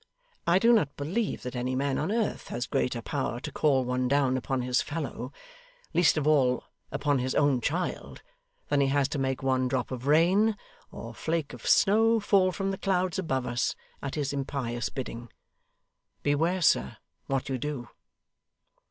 I do not believe that any man on earth has greater power to call one down upon his fellow least of all, upon his own child than he has to make one drop of rain or flake of snow fall from the clouds above us at his impious bidding. Beware, sir, what you do.